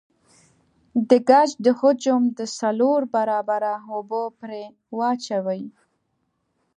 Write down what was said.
د ګچ د حجم د څلور برابره اوبه پرې واچوئ.